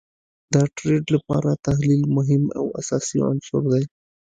د ټریډ لپاره تحلیل مهم او اساسی عنصر دي